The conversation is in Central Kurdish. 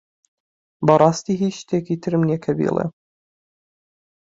بەڕاستی هیچ شتێکی ترم نییە کە بیڵێم.